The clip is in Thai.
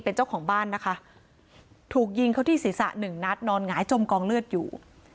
เป็นเจ้าของบ้านนะคะถูกยิงเขาที่ศีรษะหนึ่งนัดนอนหงายจมกองเลือดอยู่